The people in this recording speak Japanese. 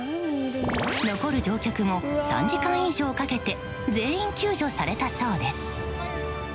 残る乗客も３時間以上かけて全員救助されたそうです。